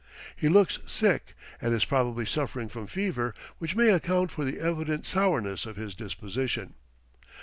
He looks sick, and is probably suffering from fever, which may account for the evident sourness of his disposition.